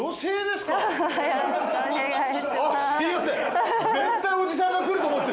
すみません。